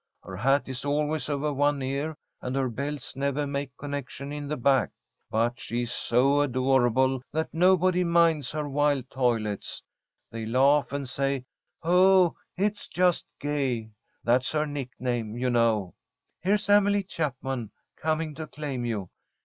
Her hat is always over one ear, and her belts never make connection in the back, but she's so adorable that nobody minds her wild toilets. They laugh and say, 'Oh, it's just Gay.' That's her nickname, you know. Here's Emily Chapman coming to claim you.